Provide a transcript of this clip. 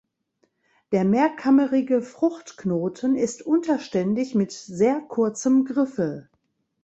Der mehrkammerige Fruchtknoten ist unterständig mit sehr kurzem Griffel.